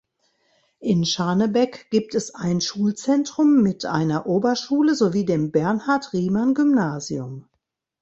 In Scharnebeck gibt es ein Schulzentrum mit einer Oberschule sowie dem Bernhard-Riemann-Gymnasium.